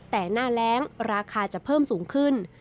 แต่หน้าแรงราคาจะเพิ่มสูงขึ้น